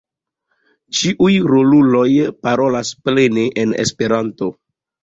Ĉiuj roluloj parolas plene en Esperanto.